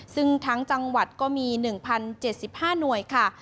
ซึ่งทั้งจังหวัดก็มี๑๐๗๕หน่วยค่ะ